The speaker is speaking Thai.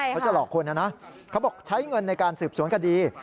เขาจะหลอกคนนะนะเขาบอกใช้เงินในการสืบสวนคดี